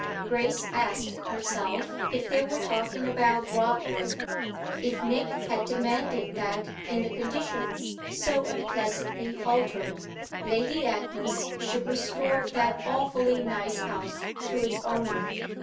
Grace asked herself if they were talking about Broadwood; if Nick had demanded that in the conditions so unpleasantly altered Lady Agnes should restore that awfully nice house to its owner.